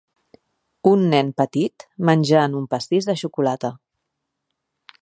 Un nen petit menjant un pastís de xocolata.